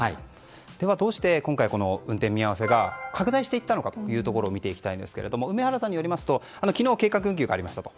では、どうして今回運転見合わせが拡大したのかを見ていきたいんですけども梅原さんによりますと昨日、計画運休がありましたと。